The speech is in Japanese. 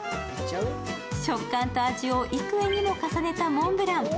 食感と味を幾重にも重ねたモンブラン。